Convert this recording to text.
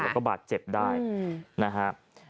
แล้วก็บาดเจ็บได้นะฮะ